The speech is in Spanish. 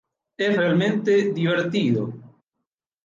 Es realmente divertido.